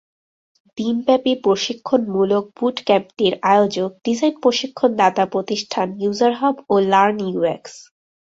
দিনব্যাপী প্রশিক্ষণমূলক বুটক্যাম্পটির আয়োজক ডিজাইন প্রশিক্ষণদাতা প্রতিষ্ঠান ইউজারহাব ও লার্ন ইউএক্স।